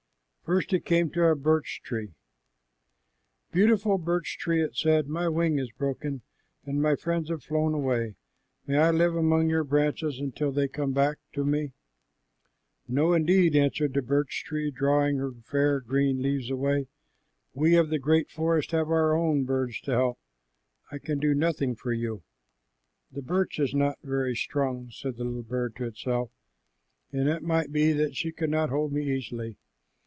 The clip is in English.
First it came to a birch tree. "Beautiful birch tree," it said, "my wing is broken, and my friends have flown away. May I live among your branches till they come back to me?" "No, indeed," answered the birch tree, drawing her fair green leaves away. "We of the great forest have our own birds to help. I can do nothing for you." "The birch is not very strong," said the little bird to itself, "and it might be that she could not hold me easily.